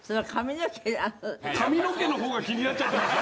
髪の毛の方が気になっちゃってました？